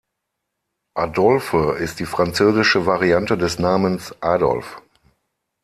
Adolphe ist die französische Variante des Namens Adolf.